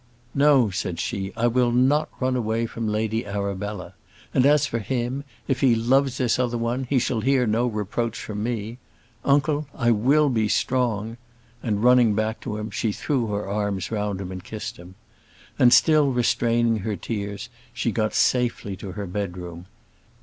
"No," said she, "I will not run away from Lady Arabella. And, as for him if he loves this other one, he shall hear no reproach from me. Uncle, I will be strong;" and running back to him, she threw her arms round him and kissed him. And, still restraining her tears, she got safely to her bedroom.